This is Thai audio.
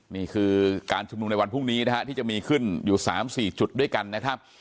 นี่คือการชุมนุมในวันพรุ่งนี้นะฮะที่จะมีขึ้นอยู่๓๔จุดด้วยกันนะครับ